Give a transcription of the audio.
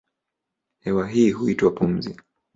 Hewa hii huitwa pumzi.